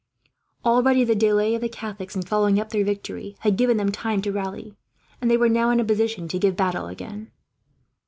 Already the delay of the Catholics in following up their victory had given them time to rally, and they were now in a position to give battle again.